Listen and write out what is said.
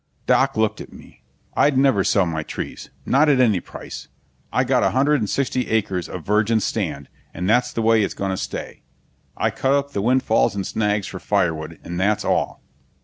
Doc looked at me. "I'd never sell my trees. Not at any price. I got a hundred and sixty acres of virgin stand, and that's the way it's gonna stay. I cut up the windfalls and snags for firewood, and that's all."